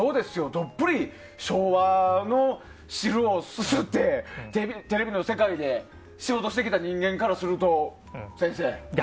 どっぷり昭和の汁をすすってテレビの世界で仕事してきた人間からすると先生。